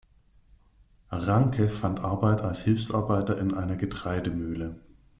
Ranke fand Arbeit als Hilfsarbeiter in einer Getreidemühle.